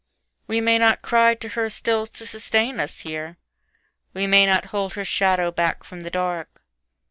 We may not cry to her still to sustain us here, We may not hold her shadow back from the dark.